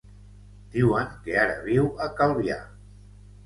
Diuen que ara viu a Calvià.